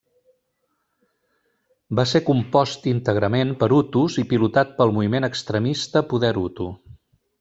Va ser compost íntegrament per hutus i pilotat pel moviment extremista poder hutu.